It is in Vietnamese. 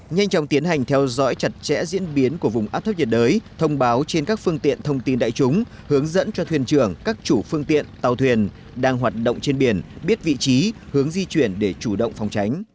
nhanh chóng tiến hành theo dõi chặt chẽ diễn biến của vùng áp thấp nhiệt đới thông báo trên các phương tiện thông tin đại chúng hướng dẫn cho thuyền trưởng các chủ phương tiện tàu thuyền đang hoạt động trên biển biết vị trí hướng di chuyển để chủ động phòng tránh